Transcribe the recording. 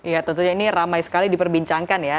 ya tentunya ini ramai sekali diperbincangkan ya